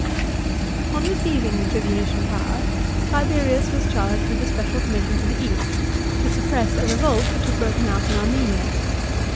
f On receiving the tribunician power, Tiberius was charged with a special com mission to the East, to suppress a revolt which had broken out in Armenia.